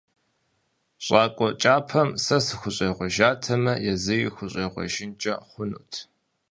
ЩӀакӀуэ кӀапэм сэ сыхущӀегъуэжатэмэ, езыри щӀегъуэжынкӀэ хъунут.